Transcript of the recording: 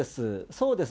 そうです。